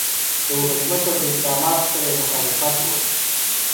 د ولسمشر له اقداماتو سره یې مخالفت و.